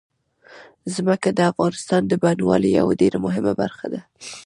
ځمکه د افغانستان د بڼوالۍ یوه ډېره مهمه برخه ده.